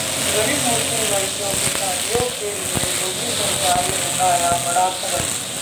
गरीब मुस्लिम लड़कियों की शादियों के लिए योगी सरकार ने उठाया बड़ा कदम